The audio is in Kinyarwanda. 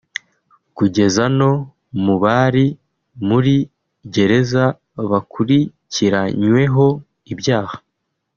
kugeza no mu bari muri gereza bakurikiranyweho ibyaha